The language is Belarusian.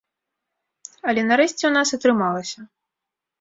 Але нарэшце ў нас атрымалася.